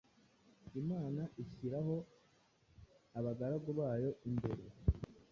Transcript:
Imana ishyiraho abagaragu bayo imbere